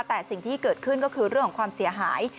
แต่สิ่งที่เกิดขึ้นก็คือเรื่องของความเสียหาย